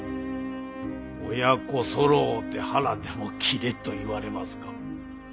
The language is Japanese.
親子そろうて腹でも切れと言われますか。